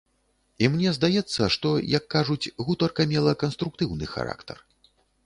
І мне здаецца, што, як кажуць, гутарка мела канструктыўны характар.